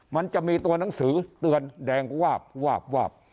มันจะมีตัวหนังสือเตือนแดงวาบวาบวาบ